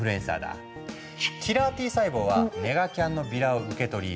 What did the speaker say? キラーＴ細胞はネガキャンのビラを受け取り